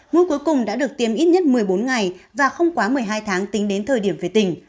mũi cuối cùng đã được tiêm ít nhất một mươi bốn ngày và không quá một mươi hai tháng tính đến thời điểm về tỉnh